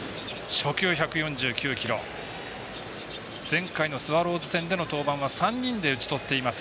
前回のスワローズ戦での登板は３人で打ち取っています。